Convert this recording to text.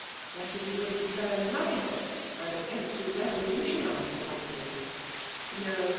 What if he were to turn ttadiral, and attempt to rev<dutu>nise tho country ? No